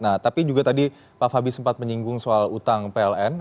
nah tapi juga tadi pak fabi sempat menyinggung soal utang pln